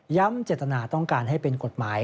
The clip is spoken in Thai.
เจตนาต้องการให้เป็นกฎหมาย